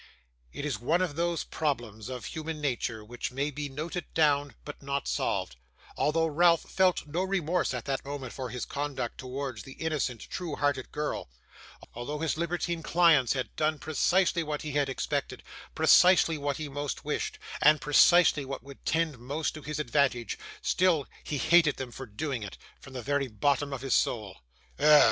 It is one of those problems of human nature, which may be noted down, but not solved; although Ralph felt no remorse at that moment for his conduct towards the innocent, true hearted girl; although his libertine clients had done precisely what he had expected, precisely what he most wished, and precisely what would tend most to his advantage, still he hated them for doing it, from the very bottom of his soul. 'Ugh!